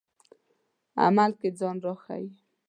عمل کې ځان راښيي.